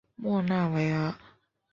莫纳维尔。